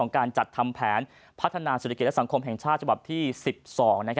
การจัดทำแผนพัฒนาเศรษฐกิจและสังคมแห่งชาติฉบับที่๑๒